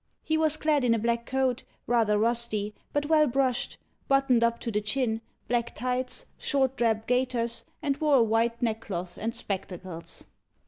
He was clad in a black coat, rather rusty, but well brushed, buttoned up to the chin, black tights, short drab gaiters, and wore a white neckcloth and spectacles.